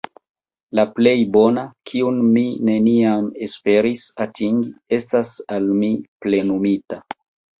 La plej bona, kiun mi neniam esperis atingi, estas al mi plenumita.